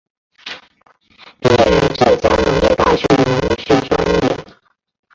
毕业于浙江农业大学农学专业。